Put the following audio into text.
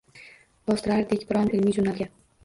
Bostirardik biron ilmiy jurnalga.